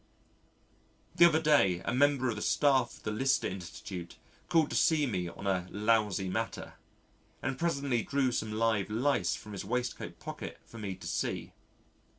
The other day a member of the staff of the Lister Institute called to see me on a lousy matter, and presently drew some live Lice from his waistcoat pocket for me to see.